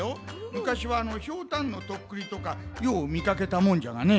むかしはひょうたんのとっくりとかようみかけたもんじゃがね。